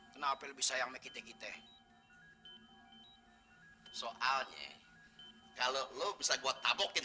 kenapa lebih sayangnya kita kita soalnya kalau lu bisa gua tabokin